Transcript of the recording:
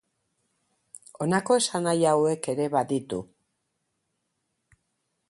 Honako esanahi hauek ere baditu.